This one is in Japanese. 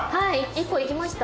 １個いきました。